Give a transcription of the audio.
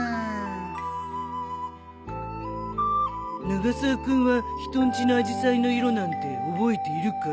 永沢君は人んちのアジサイの色なんて覚えているかい？